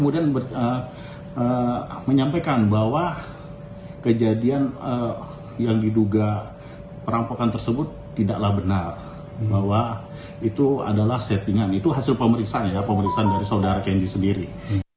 masa ini merupakan sebuah hal yang sangat problematik